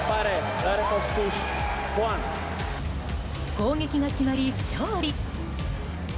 攻撃が決まり、勝利！